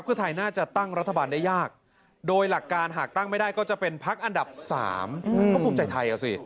เป็นอันตรายและอันตรายก่อนรักบบไปใช้ประเทศด้วย